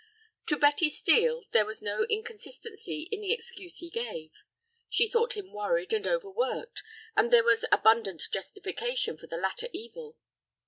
To Betty Steel there was no inconsistency in the excuse he gave. She thought him worried and overworked, and there was abundant justification for the latter evil.